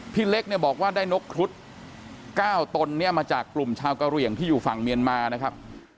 พี่เล็กเนี่ยบอกว่าได้นกครุฑ๙ตนเนี่ยมาจากกลุ่มชาวกะเหลี่ยงที่อยู่ฝั่งเมียนมานะครับ